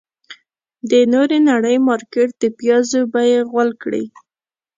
د نورې نړۍ مارکيټ د پيازو بيې غول کړې.